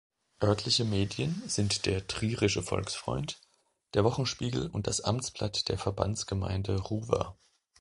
Örtliche Medien sind der Trierische Volksfreund, der Wochenspiegel und das Amtsblatt der Verbandsgemeinde Ruwer.